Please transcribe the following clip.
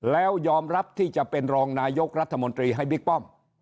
แล้วยอมรับที่จะเป็นรองนายกรัฐมนตรีให้บิ๊กป้อม